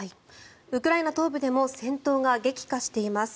ウクライナ東部でも戦闘が激化しています。